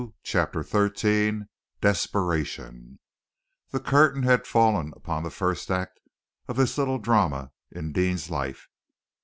CHAPTER XIII DESPERATION The curtain had fallen upon the first act of this little drama in Deane's life.